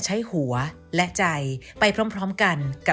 สวัสดีค่ะ